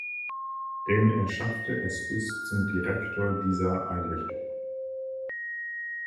Denn er schaffte es bis zum Direktor dieser Einrichtung.